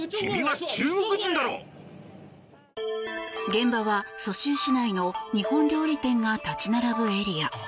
現場は蘇州市内の日本料理店が立ち並ぶエリア。